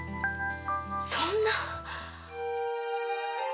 そんな。